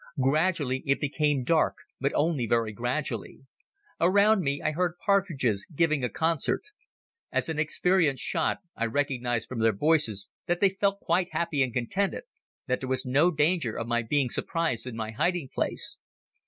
"Gradually it became dark, but only very gradually. Around me I heard partridges giving a concert. As an experienced shot I recognized from their voices that they felt quite happy and contented, that there was no danger of my being surprised in my hiding place.